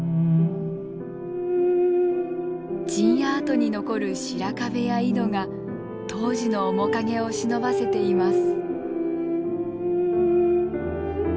陣屋跡に残る白壁や井戸が当時の面影をしのばせています。